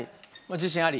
自信あり？